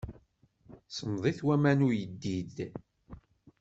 Semmḍit waman n uyeddid.